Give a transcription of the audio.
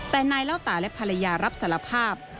แต่นายเล่าตาและภรรยารับสารภาพ